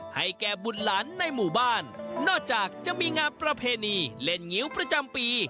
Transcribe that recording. ให้แก่บุตรหลานในหมู่บ้านนอกจากจะมีงานประเพณีเล่นงิ้วประจำปี